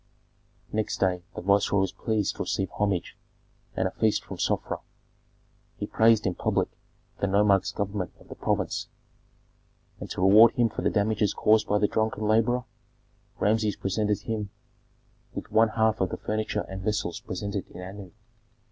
Next day the viceroy was pleased to receive homage and a feast from Sofra. He praised in public the nomarch's government of the province, and to reward him for the damages caused by the drunken laborer, Rameses presented him with one half of the furniture and vessels presented in Anu.